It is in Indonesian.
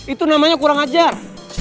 itu namanya kurang ajar